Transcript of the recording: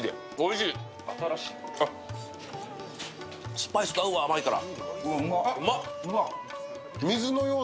スパイスと合うわ、甘いから。